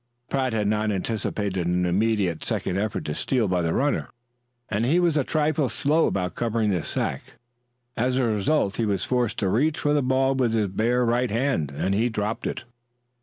Pratt had not anticipated an immediate second effort to steal by the runner, and he was a trifle slow about covering the sack. As a result, he was forced to reach for the ball with his bare right hand, and he dropped it.